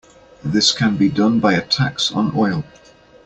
This can be done by a tax on oil.